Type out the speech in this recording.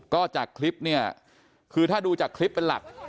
ก็จากคลิปเนี่ยคือถ้าดูจากคลิปเป็นหลัก